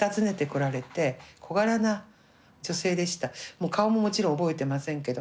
もう顔ももちろん覚えてませんけど。